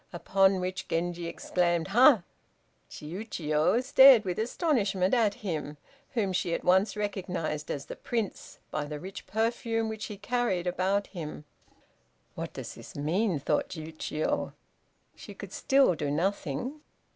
Upon which Genji exclaimed "Ha!" Chiûjiô stared with astonishment at him, whom she at once recognized as the Prince, by the rich perfume which he carried about him. "What does this mean?" thought Chiûjiô. She could still do nothing.